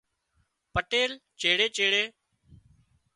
پٽيل چيڙي چيڙي